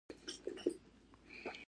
ده هوټل پروان کې درمل واخيستل.